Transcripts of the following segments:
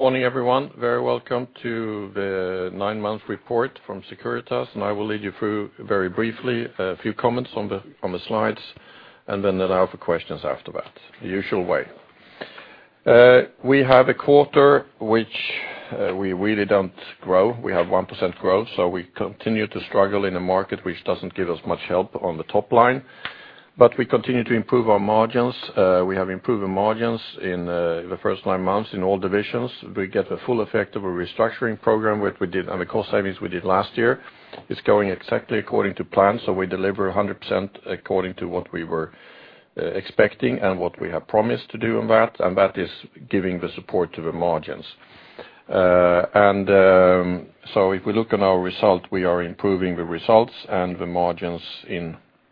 Morning, everyone. Very welcome to the nine-month report from Securitas, and I will lead you through very briefly a few comments on the slides, and then allow for questions after that, the usual way. We have a quarter which we really don't grow. We have 1% growth, so we continue to struggle in a market which doesn't give us much help on the top line. But we continue to improve our margins. We have improved the margins in the first nine months in all divisions. We get the full effect of a restructuring program, which we did, and the cost savings we did last year. It's going exactly according to plan, so we deliver 100% according to what we were expecting and what we have promised to do on that, and that is giving the support to the margins. So if we look on our result, we are improving the results and the margins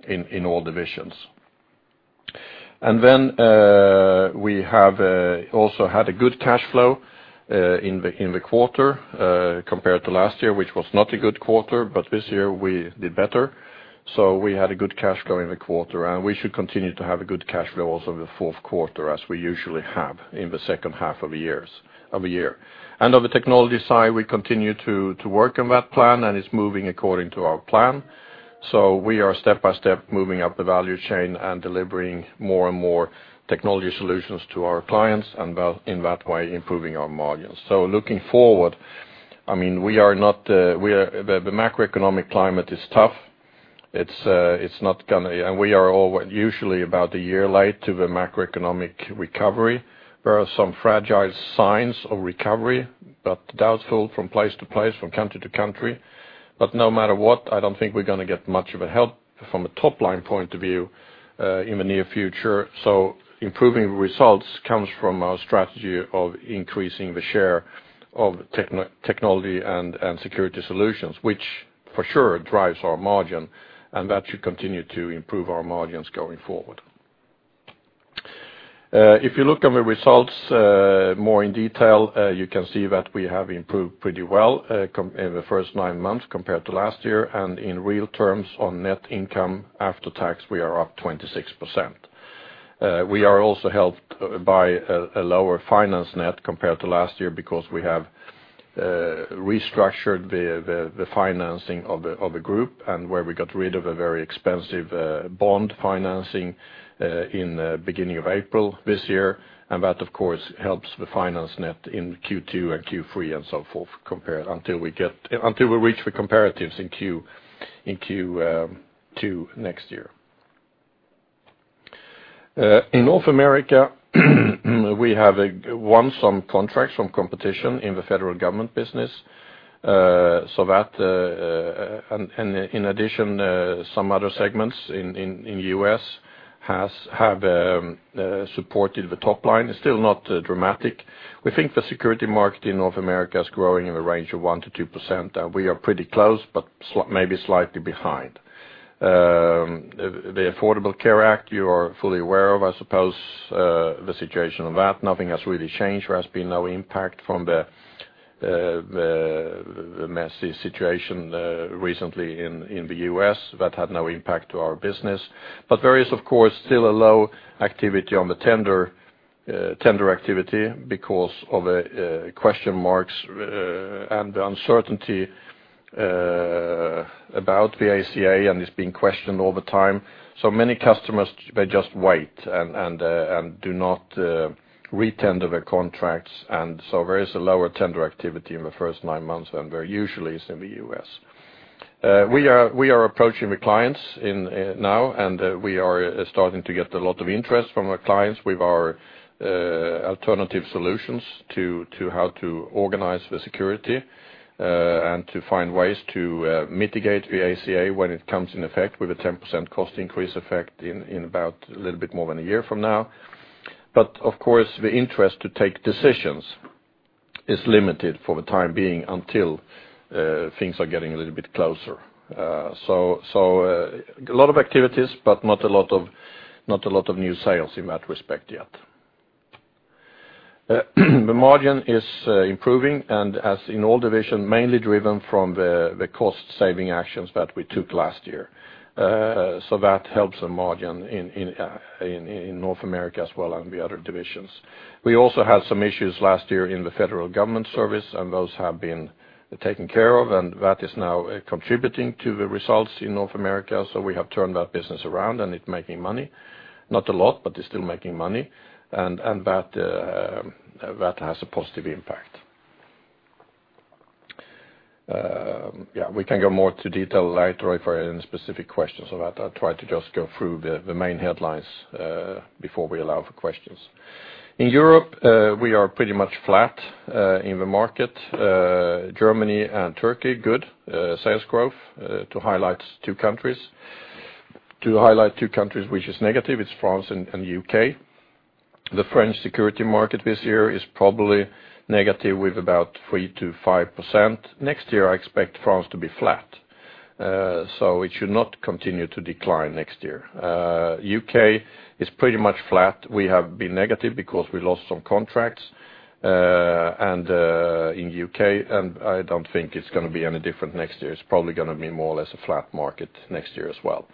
in all divisions. And then, we have also had a good cash flow in the quarter compared to last year, which was not a good quarter, but this year we did better. So we had a good cash flow in the quarter, and we should continue to have a good cash flow also in the fourth quarter, as we usually have in the second half of the year. And on the technology side, we continue to work on that plan, and it's moving according to our plan. So we are step-by-step moving up the value chain and delivering more and more technology solutions to our clients, and that in that way, improving our margins. So looking forward, I mean, we are not the macroeconomic climate is tough. It's not gonna... And we are usually about a year late to the macroeconomic recovery. There are some fragile signs of recovery, but doubtful from place to place, from country to country. But no matter what, I don't think we're gonna get much of a help from a top-line point of view, in the near future. So improving results comes from our strategy of increasing the share of technology and security solutions, which for sure drives our margin, and that should continue to improve our margins going forward. If you look at the results more in detail, you can see that we have improved pretty well in the first nine months compared to last year, and in real terms, on net income after tax, we are up 26%. We are also helped by a lower finance net compared to last year because we have restructured the financing of the group and where we got rid of a very expensive bond financing in beginning of April this year. And that, of course, helps the finance net in Q2 and Q3 and so forth, compared until we get until we reach the comparatives in Q2 next year. In North America, we have won some contracts from competition in the federal government business. So, in addition, some other segments in the U.S. have supported the top line. It's still not dramatic. We think the security market in North America is growing in the range of 1%-2%, and we are pretty close, but maybe slightly behind. The Affordable Care Act, you are fully aware of, I suppose, the situation on that. Nothing has really changed. There has been no impact from the messy situation recently in the U.S. That had no impact to our business. But there is, of course, still a low activity on the tender activity because of question marks and the uncertainty about the ACA, and it's being questioned all the time. So many customers, they just wait and do not re-tender their contracts, and so there is a lower tender activity in the first nine months than there usually is in the U.S. We are approaching the clients now, and we are starting to get a lot of interest from our clients with our alternative solutions to how to organize the security, and to find ways to mitigate the ACA when it comes in effect, with a 10% cost increase effect in about a little bit more than a year from now. But of course, the interest to take decisions is limited for the time being until things are getting a little bit closer. So, a lot of activities, but not a lot of new sales in that respect yet. The margin is improving, and as in all division, mainly driven from the cost-saving actions that we took last year. So that helps the margin in North America as well, and the other divisions. We also had some issues last year in the federal government service, and those have been taken care of, and that is now contributing to the results in North America. So we have turned that business around, and it's making money. Not a lot, but it's still making money, and that has a positive impact. Yeah, we can go more into detail later if there are any specific questions about that. I'll try to just go through the main headlines before we allow for questions. In Europe, we are pretty much flat in the market. Germany and Turkey, good sales growth to highlight two countries. To highlight two countries which is negative, it's France and the U.K. The French security market this year is probably negative with about 3%-5%. Next year, I expect France to be flat, so it should not continue to decline next year. U.K. is pretty much flat. We have been negative because we lost some contracts in U.K., and I don't think it's gonna be any different next year. It's probably gonna be more or less a flat market next year as well.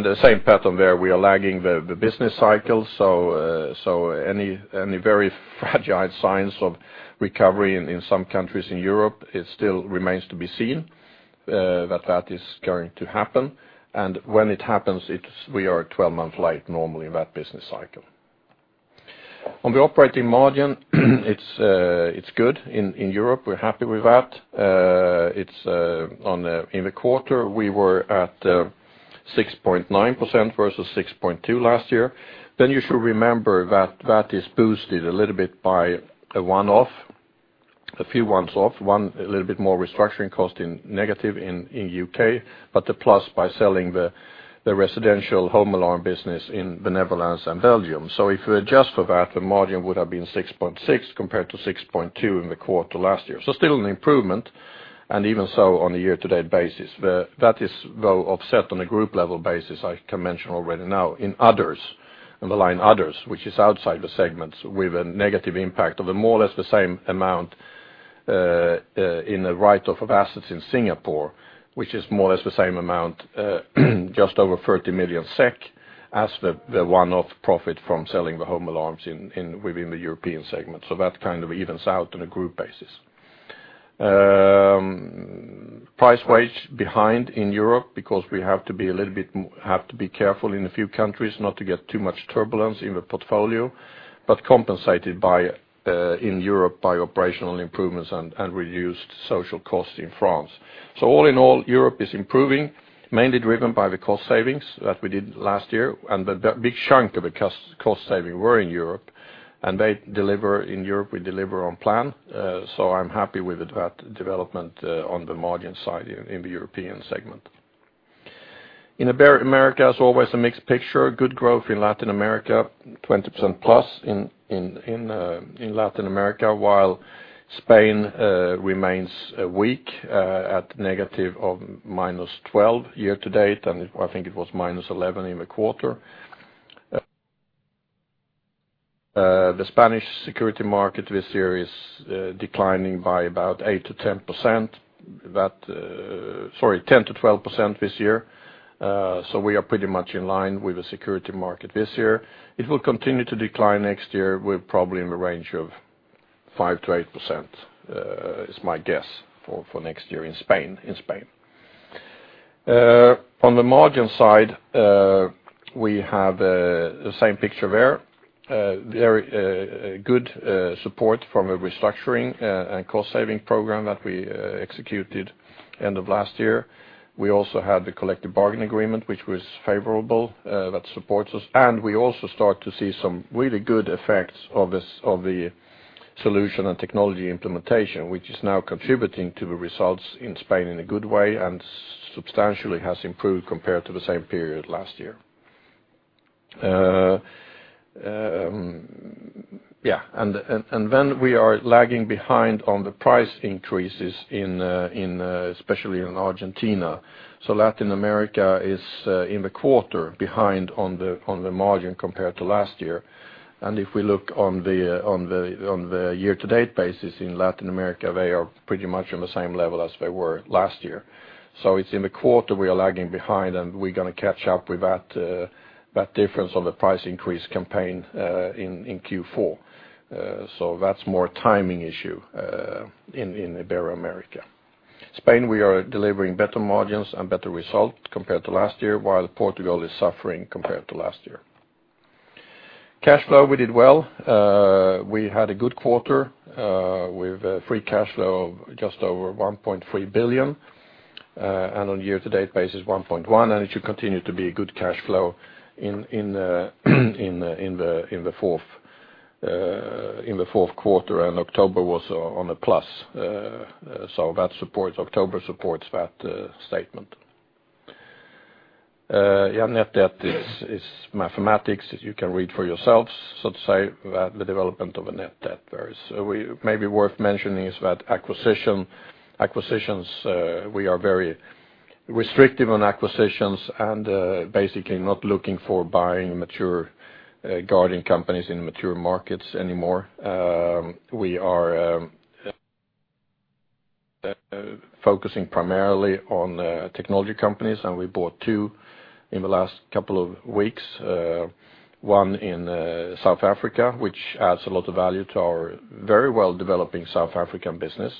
The same pattern where we are lagging the business cycle, so any very fragile signs of recovery in some countries in Europe, it still remains to be seen that that is going to happen. And when it happens, we are 12 months late normally in that business cycle. On the operating margin, it's good in Europe. We're happy with that. It's in the quarter, we were at 6.9% versus 6.2% last year. Then you should remember that that is boosted a little bit by a one-off, a few one-offs, one a little bit more restructuring cost in negative in U.K., but the plus by selling the residential home alarm business in the Netherlands and Belgium. So if you adjust for that, the margin would have been 6.6 compared to 6.2 in the quarter last year. So still an improvement, and even so on a year-to-date basis, that is though offset on a group level basis, I can mention already now in others, on the line others, which is outside the segments with a negative impact of a more or less the same amount, in the write-off of assets in Singapore, which is more or less the same amount, just over 30 million SEK as the one-off profit from selling the home alarms within the European segment. So that kind of evens out on a group basis. Price wage behind in Europe because we have to be a little bit have to be careful in a few countries not to get too much turbulence in the portfolio, but compensated by in Europe by operational improvements and reduced social costs in France. So all in all, Europe is improving, mainly driven by the cost savings that we did last year, and the big chunk of the cost saving were in Europe, and they deliver in Europe, we deliver on plan, so I'm happy with that development on the margin side in the European segment. In Ibero-America, as always, a mixed picture, good growth in Latin America, 20%+ in Latin America, while Spain remains weak at negative of -12% year to date, and I think it was -11% in the quarter. The Spanish security market this year is declining by about 8%-10%, sorry, 10%-12% this year. So we are pretty much in line with the security market this year. It will continue to decline next year, with probably in the range of 5%-8%, is my guess for next year in Spain. On the margin side, we have the same picture there. Very good support from a restructuring and cost saving program that we executed end of last year. We also had the collective bargain agreement, which was favorable, that supports us, and we also start to see some really good effects of this, of the solution and technology implementation, which is now contributing to the results in Spain in a good way and substantially has improved compared to the same period last year. And then we are lagging behind on the price increases in, in, especially in Argentina. So Latin America is, in the quarter behind on the, on the margin compared to last year. And if we look on the, on the, on the year-to-date basis in Latin America, they are pretty much on the same level as they were last year. So it's in the quarter, we are lagging behind, and we're going to catch up with that, that difference on the price increase campaign, in Q4. So that's more timing issue, in Ibero-America. Spain, we are delivering better margins and better result compared to last year, while Portugal is suffering compared to last year. Cash flow, we did well. We had a good quarter, with a free cash flow of just over 1.3 billion, and on year-to-date basis, 1.1 billion, and it should continue to be a good cash flow in the fourth quarter, and October was on a plus. So that supports, October supports that statement. Yeah, net debt is mathematics, as you can read for yourselves, so to say that the development of a net debt varies. So we may be worth mentioning is that acquisition, acquisitions, we are very restrictive on acquisitions and basically not looking for buying mature guarding companies in mature markets anymore. We are focusing primarily on technology companies, and we bought two in the last couple of weeks, one in South Africa, which adds a lot of value to our very well-developing South African business,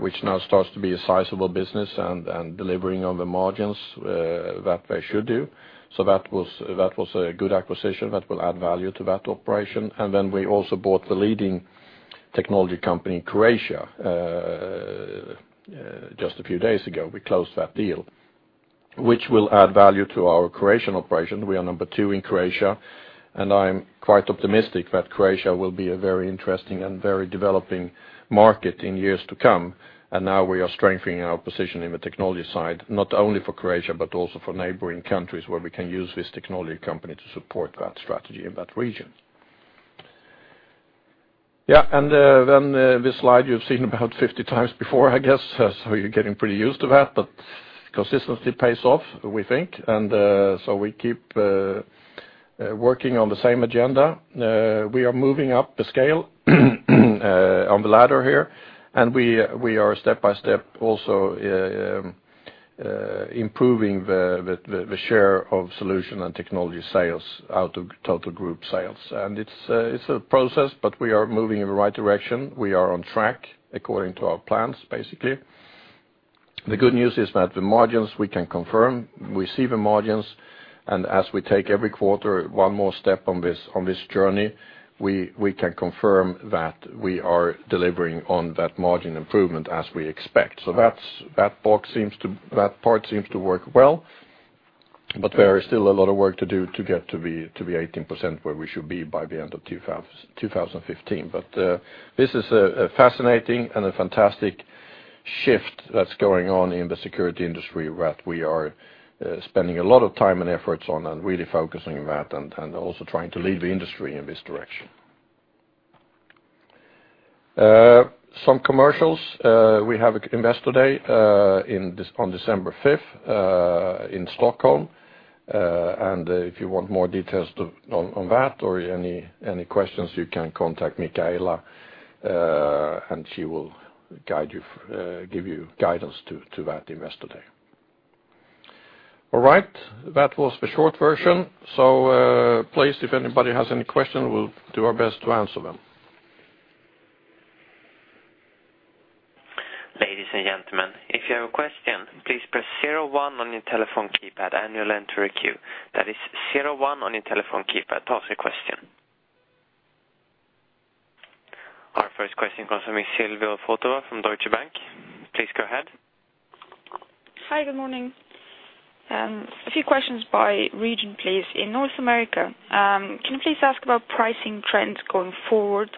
which now starts to be a sizable business and delivering on the margins that they should do. So that was a good acquisition that will add value to that operation. And then we also bought the leading technology company in Croatia, just a few days ago, we closed that deal, which will add value to our Croatian operation. We are number two in Croatia, and I'm quite optimistic that Croatia will be a very interesting and very developing market in years to come. And now we are strengthening our position in the technology side, not only for Croatia, but also for neighboring countries, where we can use this technology company to support that strategy in that region. Yeah, and, then, this slide you've seen about 50 times before, I guess, so you're getting pretty used to that, but consistency pays off, we think. And, so we keep working on the same agenda. We are moving up the scale on the ladder here, and we are step-by-step also improving the share of solution and technology sales out of total group sales. It's a process, but we are moving in the right direction. We are on track according to our plans, basically. The good news is that the margins we can confirm, we see the margins, and as we take every quarter, one more step on this journey, we can confirm that we are delivering on that margin improvement as we expect. So that's, that box seems to, that part seems to work well, but there is still a lot of work to do to get to the 18%, where we should be by the end of 2015. But this is a fascinating and fantastic shift that's going on in the security industry, that we are spending a lot of time and efforts on, and really focusing on that, and also trying to lead the industry in this direction. Some commercials, we have Investor Day on December fifth in Stockholm. And if you want more details on that or any questions, you can contact Micaela, and she will guide you, give you guidance to that Investor Day. All right, that was the short version. So, please, if anybody has any questions, we'll do our best to answer them. Ladies and gentlemen, if you have a question, please press zero one on your telephone keypad and you'll enter a queue. That is zero one on your telephone keypad to ask a question. Our first question comes from Sylvia Fotedar from Deutsche Bank. Please go ahead. Hi, good morning. A few questions by region, please. In North America, can you please ask about pricing trends going forward?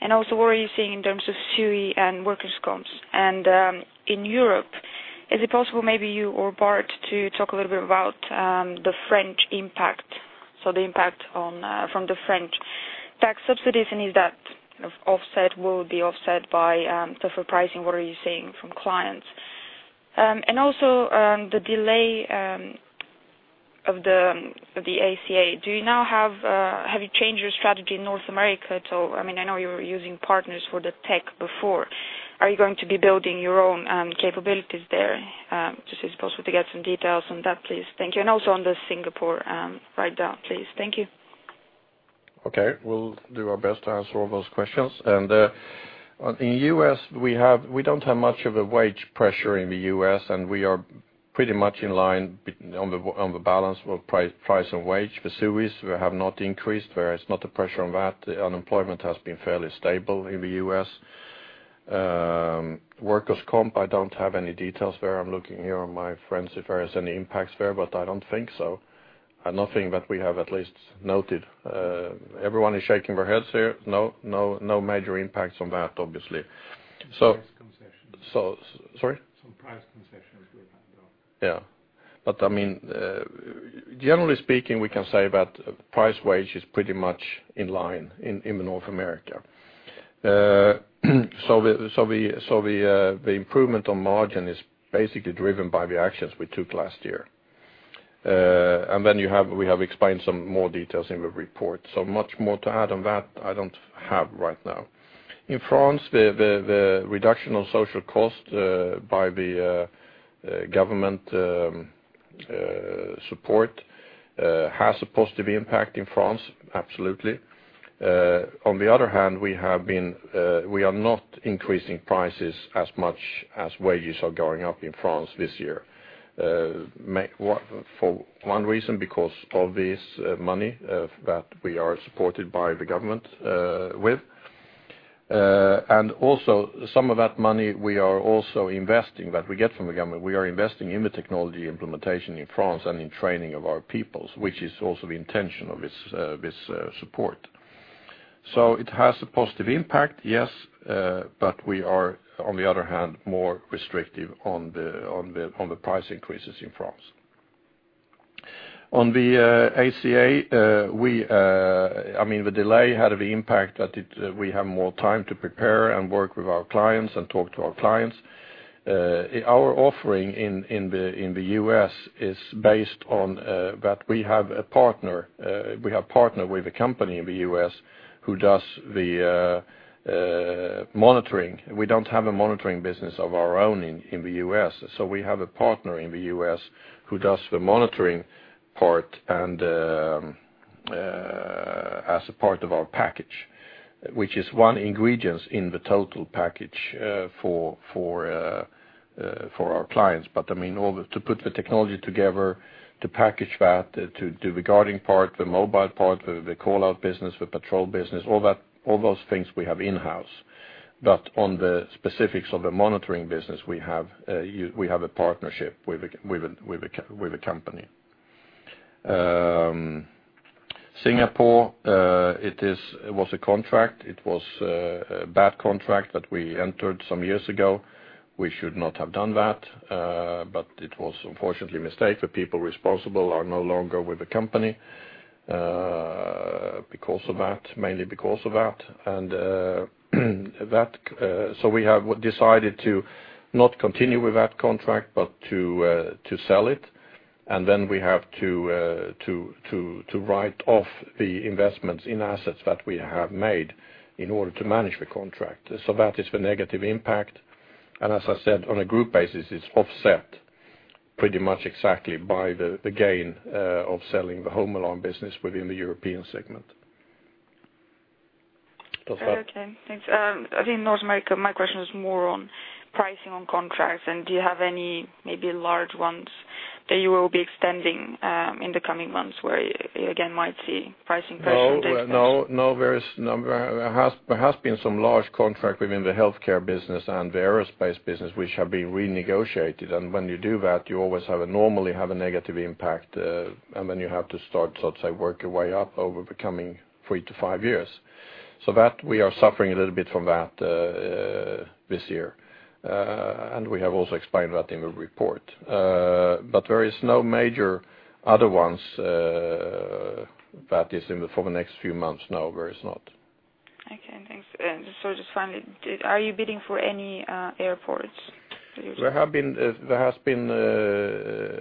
And also, what are you seeing in terms of SUI and workers' comp? And, in Europe, is it possible, maybe you or Bart, to talk a little bit about the French impact, so the impact on from the French tax subsidies, and is that offset, will be offset by tougher pricing, what are you seeing from clients? And also, the delay of the ACA. Have you changed your strategy in North America to - I mean, I know you were using partners for the tech before. Are you going to be building your own capabilities there? Just if it's possible to get some details on that, please. Thank you. Also on the Singapore write-down, please. Thank you. Okay. We'll do our best to answer all those questions. In U.S., we don't have much of a wage pressure in the U.S., and we are pretty much in line on the balance with price, price and wage. The SUIs we have not increased, there is not a pressure on that. The unemployment has been fairly stable in the U.S. Workers' comp, I don't have any details there. I'm looking here on my friends if there is any impacts there, but I don't think so. Nothing that we have at least noted. Everyone is shaking their heads here. No, no, no major impacts on that, obviously. Price concessions. Sorry? Some price concessions we have, though. Yeah. But I mean, generally speaking, we can say that price/wage is pretty much in line in North America. So the improvement on margin is basically driven by the actions we took last year. And then we have explained some more details in the report. So much more to add on that, I don't have right now. In France, the reduction of social cost by the government support has a positive impact in France, absolutely. On the other hand, we are not increasing prices as much as wages are going up in France this year. Mainly for one reason, because of this money that we are supported by the government with. And also, some of that money we are also investing, that we get from the government, we are investing in the technology implementation in France and in training of our people, which is also the intention of this support. So it has a positive impact, yes, but we are, on the other hand, more restrictive on the price increases in France. On the ACA, I mean, the delay had an impact that we have more time to prepare and work with our clients and talk to our clients. Our offering in the U.S. is based on that we have a partner, we have partnered with a company in the U.S., who does the monitoring. We don't have a monitoring business of our own in the US, so we have a partner in the US who does the monitoring part and as a part of our package, which is one ingredient in the total package, for our clients. But, I mean, all the—to put the technology together, to package that, to do the guarding part, the mobile part, the call-out business, the patrol business, all that, all those things we have in-house. But on the specifics of the monitoring business, we have a partnership with a company. Singapore, it was a contract. It was a bad contract that we entered some years ago. We should not have done that, but it was unfortunately a mistake. The people responsible are no longer with the company because of that, mainly because of that. So we have decided to not continue with that contract, but to sell it. And then we have to write off the investments in assets that we have made in order to manage the contract. So that is the negative impact, and as I said, on a group basis, it's offset pretty much exactly by the gain of selling the home alarm business within the European segment. Does that- Okay, thanks. I think North America, my question is more on pricing on contracts, and do you have any maybe large ones that you will be extending, in the coming months where you again might see pricing pressure take place? No, no, no, there is no. There has been some large contract within the healthcare business and the aerospace business, which have been renegotiated. When you do that, you always normally have a negative impact, and then you have to start, let's say, work your way up over the coming 3-5 years. So that we are suffering a little bit from that this year. We have also explained that in the report. But there is no major other ones that is for the next few months, no, there is not. Okay, thanks. And so just finally, are you bidding for any airports? There have been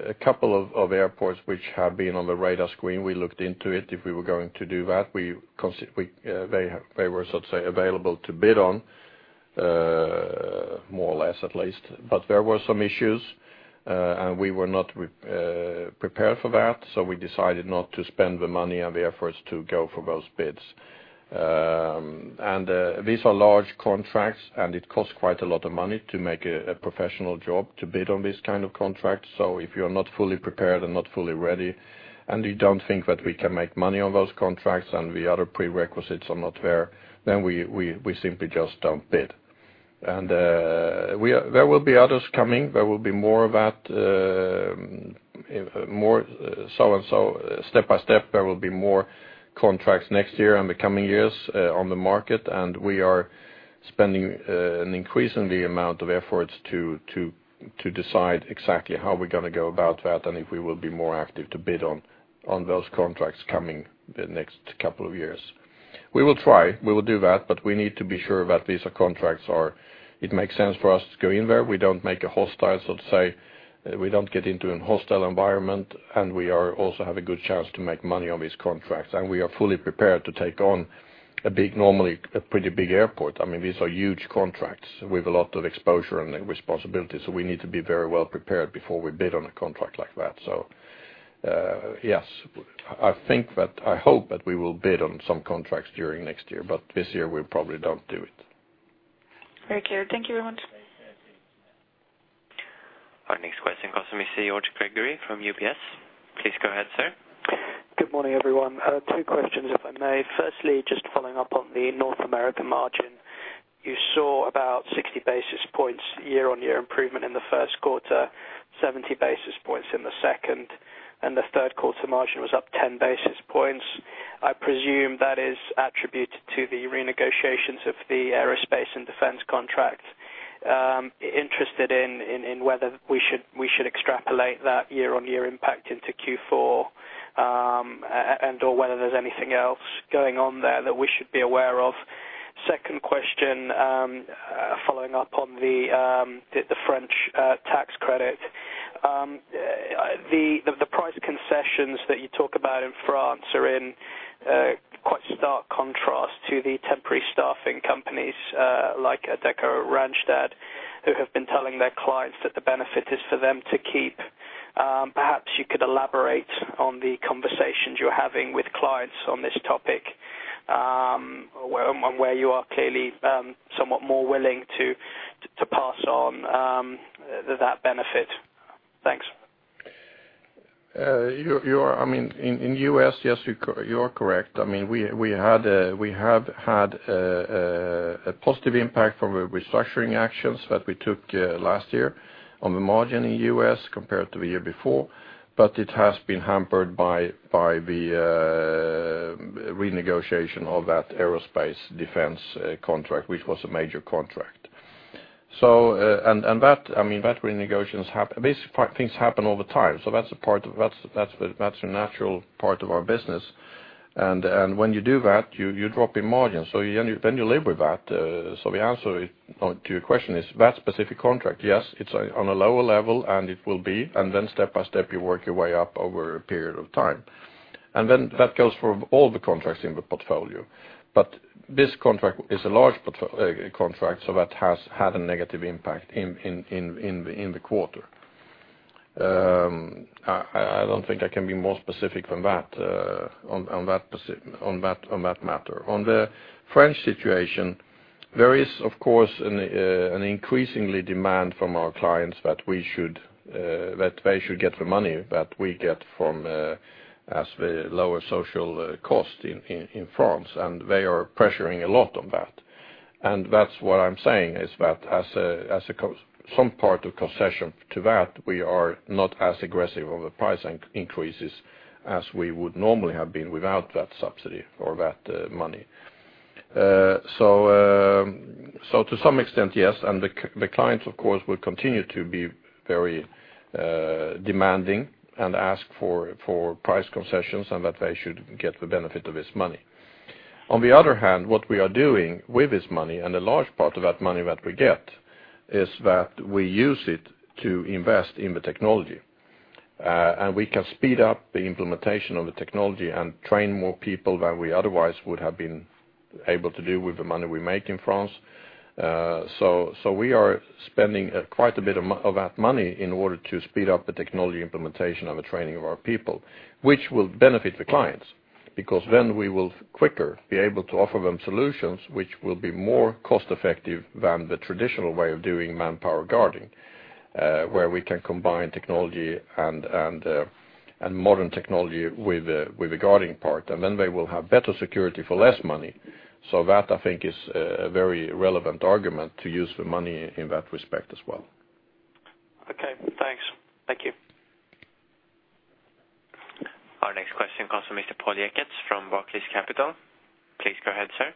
a couple of airports which have been on the radar screen. We looked into it. If we were going to do that, they were, so to say, available to bid on, more or less, at least. But there were some issues, and we were not prepared for that, so we decided not to spend the money and the efforts to go for those bids. These are large contracts, and it costs quite a lot of money to make a professional job to bid on this kind of contract. So if you're not fully prepared and not fully ready, and you don't think that we can make money on those contracts, and the other prerequisites are not there, then we simply just don't bid. There will be others coming, there will be more of that, more so and so, step by step, there will be more contracts next year and the coming years, on the market, and we are spending an increasingly amount of efforts to decide exactly how we're going to go about that and if we will be more active to bid on those contracts coming the next couple of years. We will try, we will do that, but we need to be sure that these are contracts or it makes sense for us to go in there. We don't make a hostile, so to say, we don't get into a hostile environment, and we also have a good chance to make money on these contracts. We are fully prepared to take on a big, normally, a pretty big airport. I mean, these are huge contracts with a lot of exposure and responsibility, so we need to be very well prepared before we bid on a contract like that. So, yes, I think that, I hope that we will bid on some contracts during next year, but this year we probably don't do it. Very clear. Thank you very much. Our next question comes from George Gregory from UBS. Please go ahead, sir. Good morning, everyone. Two questions, if I may. Firstly, just following up on the North America margin, you saw about 60 basis points year-on-year improvement in the first quarter, 70 basis points in the second, and the third quarter margin was up 10 basis points. I presume that is attributed to the renegotiations of the aerospace and defense contract. Interested in whether we should extrapolate that year-on-year impact into Q4, and/or whether there's anything else going on there that we should be aware of? Second question, following up on the French tax credit. The price concessions that you talk about in France are in quite stark contrast to the temporary staffing companies like Adecco or Randstad, who have been telling their clients that the benefit is for them to keep. Perhaps you could elaborate on the conversations you're having with clients on this topic, where you are clearly somewhat more willing to pass on that benefit. Thanks. You are—I mean, in U.S., yes, you're correct. I mean, we have had a positive impact from the restructuring actions that we took last year on the margin in U.S. compared to the year before, but it has been hampered by the renegotiation of that aerospace defense contract, which was a major contract. So, and that, I mean, that renegotiation happened—these things happen all the time. So that's a part, that's the, that's a natural part of our business. And when you do that, you drop in margin, so you live with that. So the answer to your question is, that specific contract, yes, it's on a lower level, and it will be, and then step by step, you work your way up over a period of time. And then that goes for all the contracts in the portfolio. But this contract is a large portfolio contract, so that has had a negative impact in the quarter. I don't think I can be more specific than that, on that specific on that matter. On the French situation, there is, of course, an increasing demand from our clients that we should, that they should get the money that we get from, as the lower social cost in France, and they are pressuring a lot on that. And that's what I'm saying is that as a concession to that, we are not as aggressive on the price increases as we would normally have been without that subsidy or that money. So, to some extent, yes, and the clients, of course, will continue to be very demanding and ask for price concessions, and that they should get the benefit of this money. On the other hand, what we are doing with this money, and a large part of that money that we get, is that we use it to invest in the technology. And we can speed up the implementation of the technology and train more people than we otherwise would have been able to do with the money we make in France. So, so we are spending quite a bit of that money in order to speed up the technology implementation and the training of our people, which will benefit the clients, because then we will quicker be able to offer them solutions which will be more cost-effective than the traditional way of doing manpower guarding, where we can combine technology and modern technology with the guarding part, and then they will have better security for less money. So that, I think, is a very relevant argument to use the money in that respect as well. Okay, thanks. Thank you. Our next question comes from Mr. Paul Checketts from Barclays Capital. Please go ahead, sir.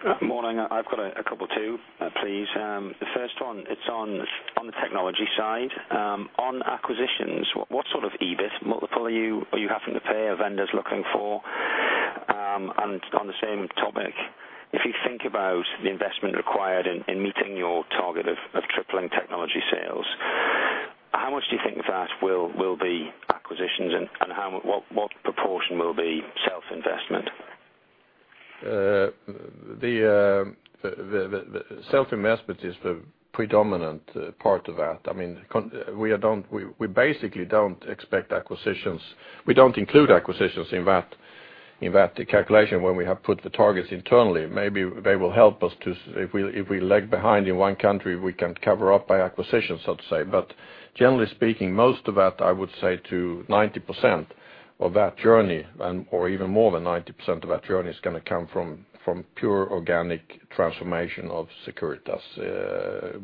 Good morning. I've got a couple, too, please. The first one, it's on the technology side. On acquisitions, what sort of EBIT multiple are you having to pay or vendors looking for? And on the same topic, if you think about the investment required in meeting your target of tripling technology sales, how much do you think that will be acquisitions, and what proportion will be self-investment? The self-investment is the predominant part of that. I mean, we basically don't expect acquisitions. We don't include acquisitions in that calculation when we have put the targets internally. Maybe they will help us to—if we lag behind in one country, we can cover up by acquisitions, so to say. But generally speaking, most of that, I would say to 90% of that journey, and/or even more than 90% of that journey, is gonna come from pure organic transformation of Securitas.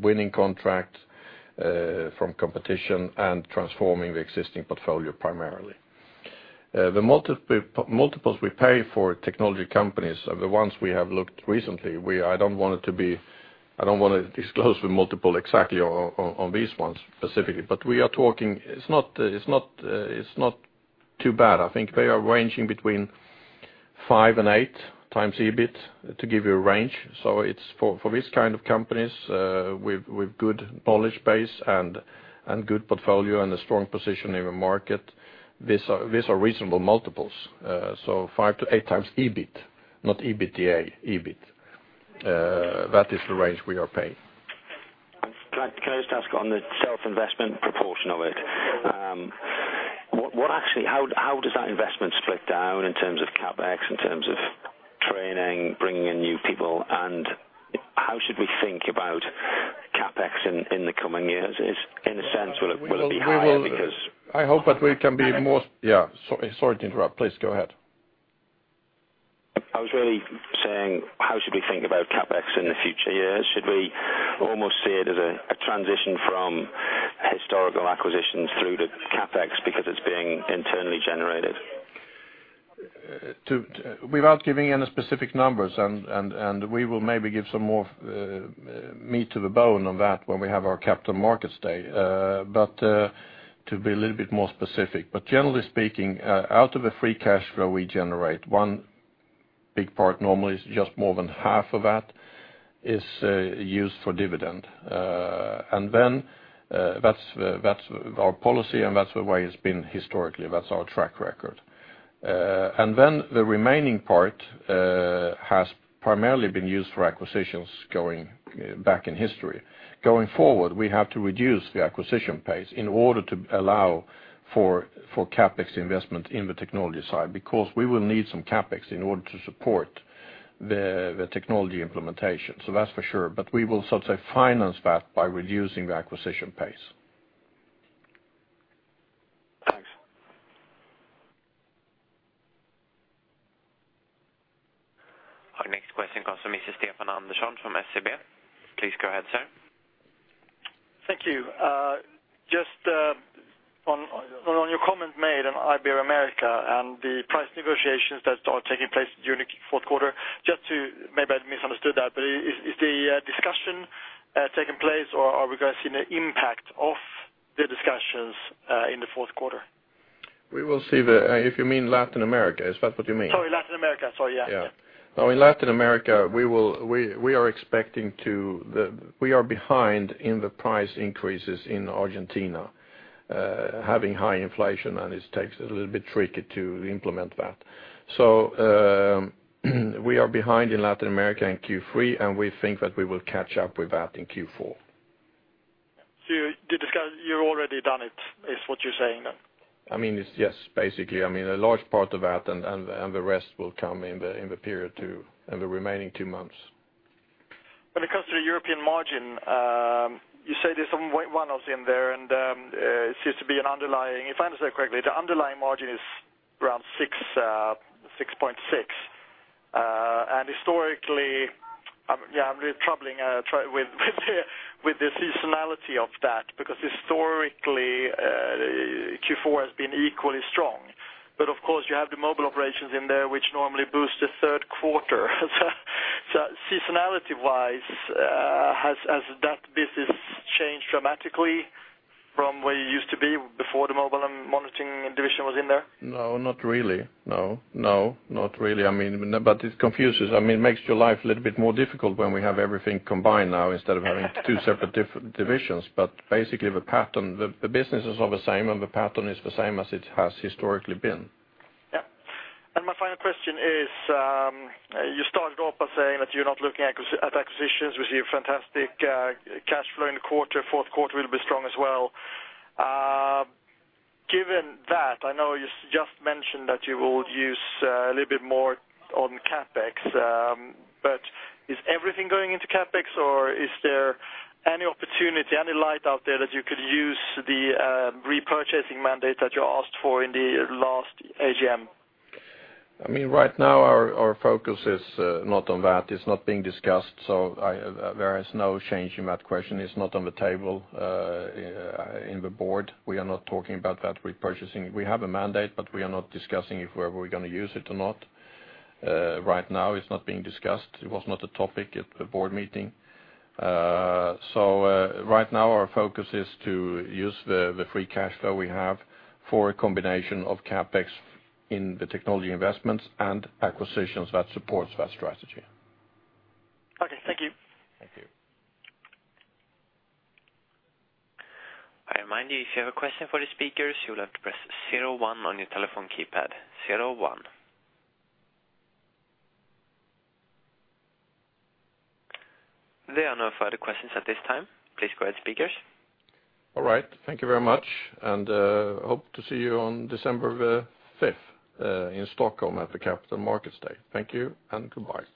Winning contracts from competition and transforming the existing portfolio primarily. The multiples we pay for technology companies, the ones we have looked recently, we—I don't want it to be... I don't wanna disclose the multiple exactly on, on, on these ones specifically, but we are talking. It's not, it's not, it's not too bad. I think they are ranging between 5x and 8x EBIT, to give you a range. So it's for, for this kind of companies, with, with good knowledge base and, and good portfolio and a strong position in the market, these are, these are reasonable multiples. So 5x-8x EBIT, not EBITDA, EBIT. That is the range we are paying. Can I just ask on the self-investment proportion of it? What actually, how does that investment split down in terms of CapEx, in terms of training, bringing in new people, and how should we think about CapEx in the coming years? In a sense, will it be higher because- I hope that we can be more-- Yeah, sorry to interrupt. Please go ahead. I was really saying, how should we think about CapEx in the future years? Should we almost see it as a transition from historical acquisitions through to CapEx because it's being internally generated? To, without giving any specific numbers, and we will maybe give some more meat to the bone on that when we have our Capital Markets Day. But to be a little bit more specific, but generally speaking, out of the free cash flow we generate, one big part, normally just more than half of that, is used for dividend. And then, that's our policy, and that's the way it's been historically. That's our track record. And then the remaining part has primarily been used for acquisitions going back in history. Going forward, we have to reduce the acquisition pace in order to allow for CapEx investment in the technology side, because we will need some CapEx in order to support the technology implementation. So that's for sure. But we will sort of finance that by reducing the acquisition pace. Thanks. Our next question comes from Mr. Stefan Andersson from SEB. Please go ahead, sir. Thank you. Just on your comment made on Ibero-America and the price negotiations that are taking place during the fourth quarter, just to maybe I misunderstood that, but is the discussion taking place, or are we going to see the impact of the discussions in the fourth quarter? We will see... If you mean Latin America, is that what you mean? Sorry, Latin America. Sorry, yeah. Yeah. So in Latin America, we are behind in the price increases in Argentina, having high inflation, and it's a little bit tricky to implement that. So, we are behind in Latin America in Q3, and we think that we will catch up with that in Q4. So you're already done it, is what you're saying then? I mean, it's... Yes, basically. I mean, a large part of that and the rest will come in the period two, in the remaining two months. When it comes to the European margin, you say there's some one-offs in there, and it seems to be an underlying, if I understand correctly, the underlying margin is around 6.6. And historically—yeah, I'm really struggling with the seasonality of that, because historically, Q4 has been equally strong. But of course, you have the mobile operations in there, which normally boosts the third quarter. So seasonality-wise, has that business changed dramatically from where it used to be before the Mobile and Monitoring division was in there? No, not really. No. No, not really. I mean, but it confuses. I mean, it makes your life a little bit more difficult when we have everything combined now, instead of having two separate different divisions. But basically, the pattern, the businesses are the same, and the pattern is the same as it has historically been. Yeah. And my final question is, you started off by saying that you're not looking at acquisitions with your fantastic cash flow in the quarter, fourth quarter will be strong as well. Given that, I know you just mentioned that you will use a little bit more on CapEx, but is everything going into CapEx, or is there any opportunity, any light out there that you could use the repurchasing mandate that you asked for in the last AGM? I mean, right now, our focus is not on that. It's not being discussed, so there is no change in that question. It's not on the table in the board. We are not talking about that repurchasing. We have a mandate, but we are not discussing if whether we're going to use it or not. Right now, it's not being discussed. It was not a topic at the board meeting. So, right now, our focus is to use the free cash flow we have for a combination of CapEx in the technology investments and acquisitions that supports that strategy. Okay. Thank you. Thank you. I remind you, if you have a question for the speakers, you'll have to press zero-one on your telephone keypad, zero-one. There are no further questions at this time. Please go ahead, speakers. All right. Thank you very much, and hope to see you on December the 5th in Stockholm at the Capital Markets Day. Thank you, and goodbye.